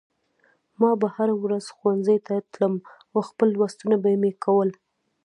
ما به هره ورځ ښوونځي ته تلم او خپل لوستونه به مې کول